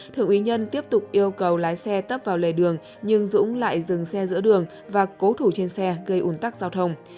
thượng úy nhân tiếp tục yêu cầu lái xe tấp vào lề đường nhưng dũng lại dừng xe giữa đường và cố thủ trên xe gây ủn tắc giao thông